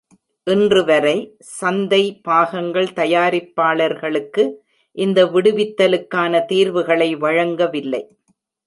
இன்றுவரை, சந்தை பாகங்கள் தயாரிப்பாளர்களுக்கு, இந்த விடுவித்தலுக்கான தீர்வுகளை வழங்கவில்லை.